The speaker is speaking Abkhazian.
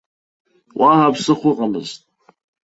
Уаҳа ԥсыхәа ыҟамызт.